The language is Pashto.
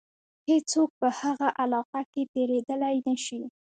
هیڅوک په هغه علاقه کې تېرېدلای نه شي.